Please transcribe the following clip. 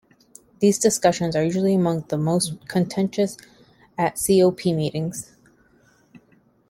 These discussions are usually among the most contentious at CoP meetings.